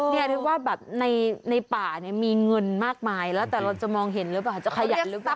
นี่นึกว่าแบบในป่าเนี่ยมีเงินมากมายแล้วแต่เราจะมองเห็นหรือเปล่าจะขยันหรือเปล่า